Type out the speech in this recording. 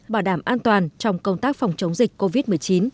bảo đảm an toàn trong công tác phòng chống dịch covid một mươi chín